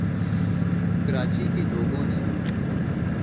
کراچی کے لوگوں نے